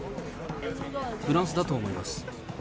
フランスだと思います。